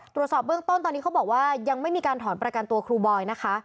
ตรวจสอบเบื้องต้นตอนนี้เขาบอกว่ายังไม่มีการถอนประกันตัวครูบอยนะคะ